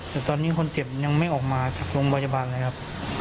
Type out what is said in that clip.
แต่ตอนนี้คนเจ็บยังไม่ออกมาจากโรงพยาบาลเลยครับ